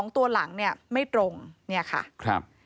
ตัวหลังเนี่ยไม่ตรงเนี่ยค่ะครับ